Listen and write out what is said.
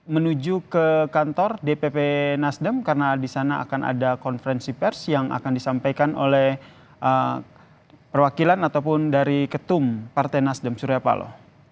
menuju ke kantor dpp nasdem karena di sana akan ada konferensi pers yang akan disampaikan oleh perwakilan ataupun dari ketum partai nasdem surya paloh